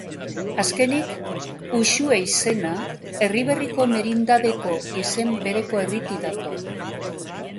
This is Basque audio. Azkenik, Uxue izena Erriberriko merindadeko izen bereko herritik dator.